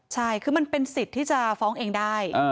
ใช่คือมันเป็นสิทธิ์ที่จะฟ้องเองได้